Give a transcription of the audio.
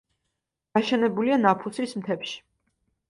გაშენებულია ნაფუსის მთებში.